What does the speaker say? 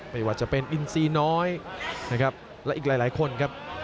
ไม่ว่าจะเป็นอินซีน้อยนะครับและอีกหลายคนครับ